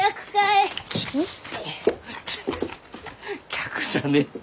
客じゃねえって。